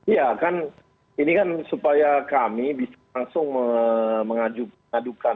ya kan ini kan supaya kami bisa langsung mengadukan